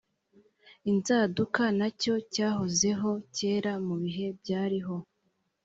inzaduka na cyo cyahozeho kera mu bihe byariho